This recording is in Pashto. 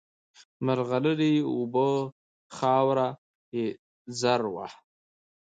مرغلري یې اوبه خاوره یې زر وه